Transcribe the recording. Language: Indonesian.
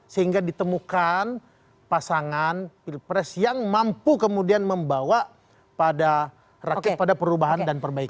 sehingga ditemukan pasangan pil pres yang mampu kemudian membawa pada perubahan dan perbaikan